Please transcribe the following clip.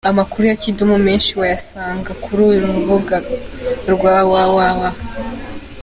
Amakuru ya Kidum menshi wayasanga kuri uru rubuga rwa www.